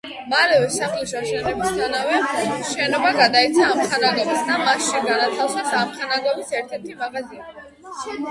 მალევე სახლის აშენებისთანავე შენობა გადაეცა ამხანაგობას და მასში განათავსეს ამხანაგობის ერთ-ერთი მაღაზია.